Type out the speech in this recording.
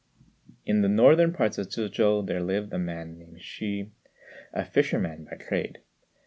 In the northern parts of Tzŭ chou there lived a man named Hsü, a fisherman by trade.